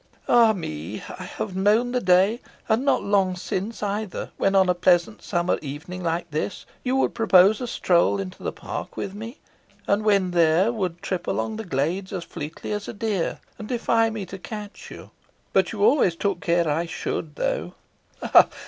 Ah, me! I have known the day, and not long since either, when on a pleasant summer evening like this you would propose a stroll into the park with me; and, when there, would trip along the glades as fleetly as a deer, and defy me to catch you. But you always took care I should, though ha! ha!